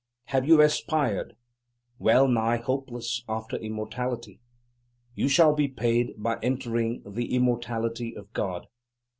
Have you aspired, well nigh hopeless, after immortality? You shall be paid by entering the immortality of God.